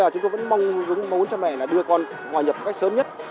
chúng tôi vẫn mong muốn cho mẹ đưa con hòa nhập cách sớm nhất